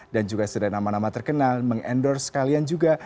dan juga sederhana nama nama terkenal meng endorse kalian juga